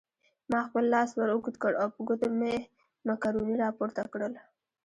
ما خپل لاس ور اوږد کړ او په ګوتو مې مکروني راپورته کړل.